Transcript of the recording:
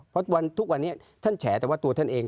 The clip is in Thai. เพราะทุกวันนี้ท่านแฉแต่ว่าตัวท่านเอง